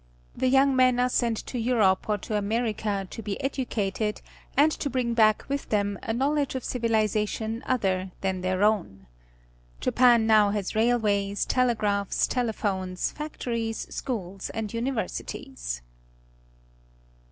The young men are sent to Europe or to America to be educated and to bring back with them a knowledge of civiliza tion other than their own. Japan now has railways, telegraphs, telephones, factories, schools, and universities.